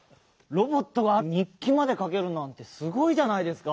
ロボットが日記までかけるなんてすごいじゃないですか。